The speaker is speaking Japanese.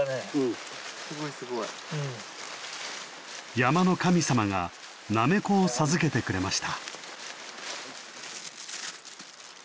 山の神様がなめこを授けてくれました。